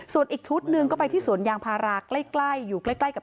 ส่วนอีกชุดนึงก็ไปที่สวนยางพาราใกล้อยู่ใกล้กับเถียงนานะคะ